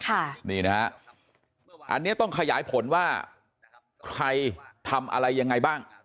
อันนี้ต้องขยายผลว่าใครทำอะไรยังไงบ้าง